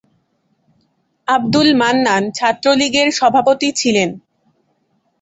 আব্দুল মান্নান ছাত্রলীগের সভাপতি ছিলেন।